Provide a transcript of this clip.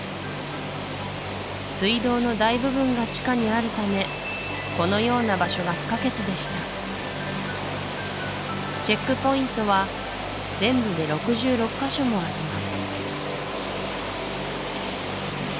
水道の大部分が地下にあるためこのような場所が不可欠でしたチェックポイントは全部で６６カ所もあります